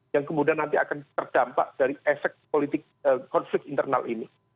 yang kemudian nanti akan terdampak dari efek konflik politik